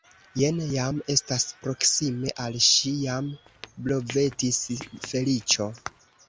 Jen jam estas proksime, al ŝi jam blovetis feliĉo.